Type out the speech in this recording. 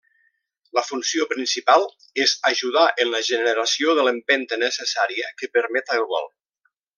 La funció principal és ajudar en la generació de l'empenta necessària que permeta el vol.